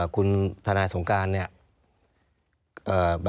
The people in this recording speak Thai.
คุณทนายสงการเนี่ย